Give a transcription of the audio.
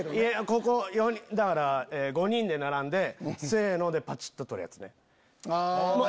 ここだから５人で並んでせのでパチっと撮るやつね。